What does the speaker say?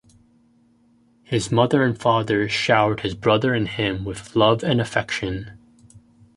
His mother and father showered his brother and him with love and affection.